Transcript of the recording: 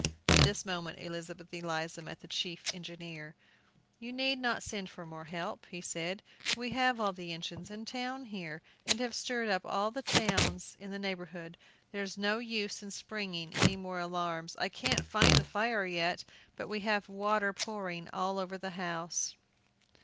At this moment Elizabeth Eliza met the chief engineer. "You need not send for more help," he said; "we have all the engines in town here, and have stirred up all the towns in the neighborhood; there's no use in springing any more alarms. I can't find the fire yet, but we have water pouring all over the house."